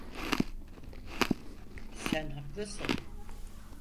Sen haklısın.